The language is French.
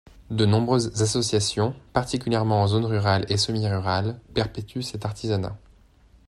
De nombreuses associations, particulièrement en zone rurale et semi-rurale, perpétuent cet artisanat.